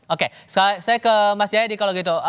oke saya ke mas jayadi kalau gitu